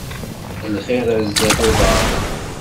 Lxiṛ, ar zdat uḍaṛ.